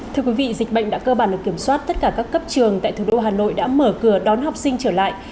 thưa quý vị dịch bệnh đã cơ bản được kiểm soát tất cả các cấp trường tại thủ đô hà nội đã mở cửa đón học sinh trở lại